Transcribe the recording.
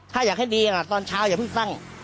ถ้าอยากให้ดีตอนเช้าอย่าเพิ่งตั้ง